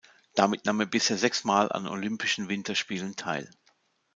Damit nahm er bisher sechsmal an Olympischen Winterspielen teil.